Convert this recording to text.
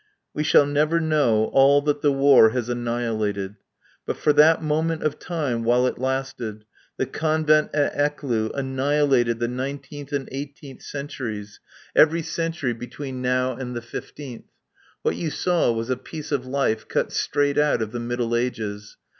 We shall never know all that the War has annihilated. But for that moment of time while it lasted, the Convent at Ecloo annihilated the nineteenth and eighteenth centuries, every century between now and the fifteenth. What you saw was a piece of life cut straight out of the Middle Ages.